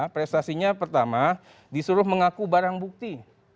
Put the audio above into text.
prestasinya pertama disuruh mengaku barang bukti